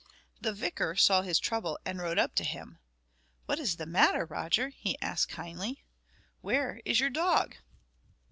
The vicar saw his trouble, and rode up to him. "What is the matter, Roger?" he asked kindly. "Where is your dog?"